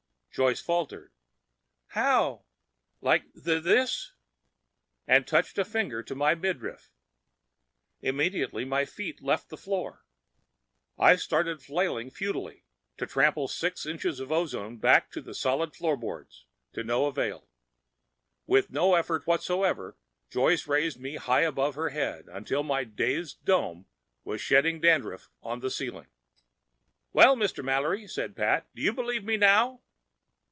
Joyce faltered, "How? Like th this?" and touched a finger to my midriff. Immediately my feet left the floor. I started flailing futilely to trample six inches of ozone back to the solid floorboards. To no avail. With no effort whatever Joyce raised me high above her head until my dazed dome was shedding dandruff on the ceiling! "Well, Mr. Mallory," said Pat, "do you believe me now?"